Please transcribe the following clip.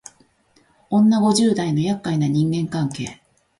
女五十代のやっかいな人間関係